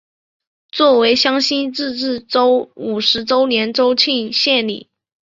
作为湘西自治州五十周年州庆献礼。